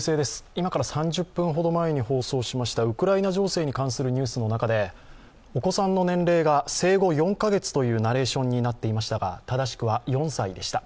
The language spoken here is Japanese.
今から３０分ほど前に放送しましたウクライナ情勢に関するニュースの中でお子さんの年齢が生後４カ月というナレーションになっていましたが正しくは４歳でした。